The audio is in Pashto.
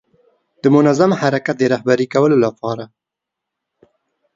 د منظم حرکت د رهبري کولو لپاره.